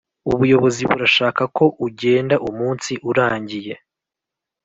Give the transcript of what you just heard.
ubuyobozi burashaka ko ugenda umunsi urangiye.